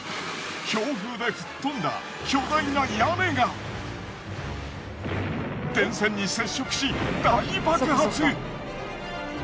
強風で吹っ飛んだ巨大な屋根が電線に接触し大爆発。